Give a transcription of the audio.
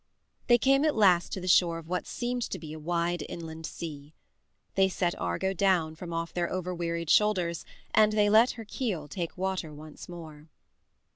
They came at last to the shore of what seemed to be a wide inland sea. They set Argo down from off their over wearied shoulders and they let her keel take water once more.